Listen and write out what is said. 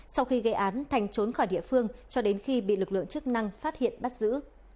sau khi gây án thành trốn khỏi địa phương cho đến khi bị lực lượng chức năng phát hiện bắt giữ